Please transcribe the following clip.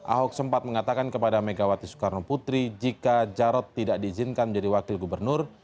ahok sempat mengatakan kepada megawati soekarno putri jika jarod tidak diizinkan menjadi wakil gubernur